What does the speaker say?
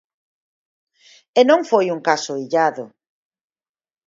E non foi un caso illado.